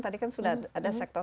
tadi kan sudah ada sektor